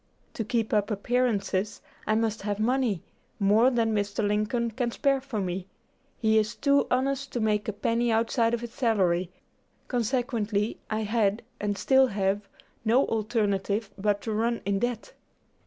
To keep up appearances, I must have money more than Mr. Lincoln can spare for me. He is too honest to make a penny outside of his salary; consequently I had, and still have, no alternative but to run in debt."